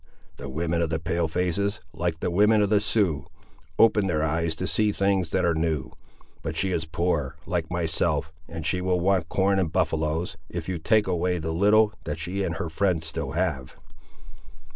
The women of the pale faces, like the women of the Siouxes, open their eyes to see things that are new; but she is poor, like myself, and she will want corn and buffaloes, if you take away the little that she and her friend still have."